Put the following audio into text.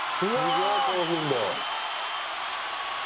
「すごい興奮度」